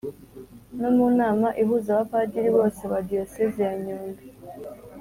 no mu nama ihuza abapadiri bose ba diyosezi ya nyundo